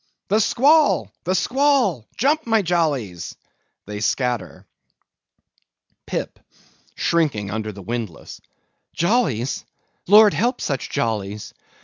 The squall! the squall! jump, my jollies! (They scatter.) PIP (shrinking under the windlass). Jollies? Lord help such jollies!